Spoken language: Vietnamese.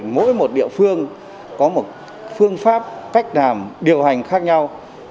mỗi một địa phương có một phương pháp cách làm điều hành khác nhau